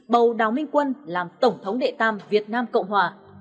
bầu đào minh quân làm tổng thống đệ tam việt nam cộng hòa